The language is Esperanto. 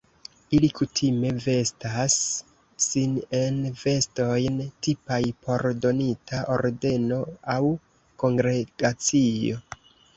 Ili kutime vestas sin en vestojn tipaj por donita ordeno aŭ kongregacio.